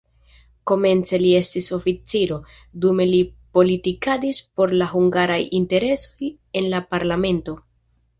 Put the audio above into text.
Komence li estis oficiro, dume li politikadis por la hungaraj interesoj en la parlamento.